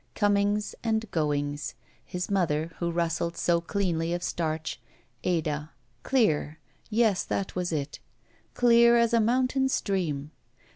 Comings — and — goings — his mother who rustled so cleanly of starch — ^Ada — clear — ^yes, that was it — dear as a mountain stream.